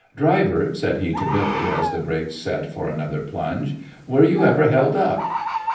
"Driver," said he to Billy, as the brakes set for another plunge, "were you ever held up?"